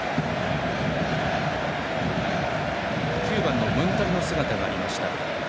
９番のムンタリの姿がありました。